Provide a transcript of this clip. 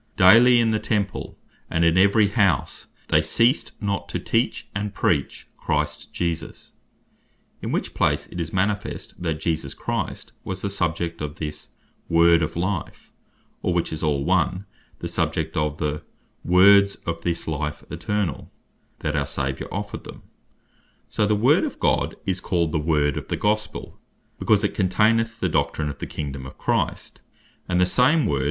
"Daily in the Temple, and in every house they ceased not to teach and preach Christ Jesus:" In which place it is manifest, that Jesus Christ was the subject of this Word of Life; or (which is all one) the subject of the Words of this Life Eternall, that our saviour offered them. So (Acts 15.7.) the Word of God, is called the Word of the Gospel, because it containeth the Doctrine of the Kingdome of Christ; and the same Word (Rom.